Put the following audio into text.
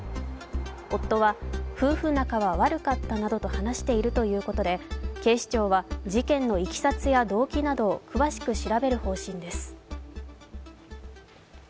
夫は夫婦仲は悪かったなどと話しているということで警視庁は事件のいきさつや動機などを詳しく調べる方針です。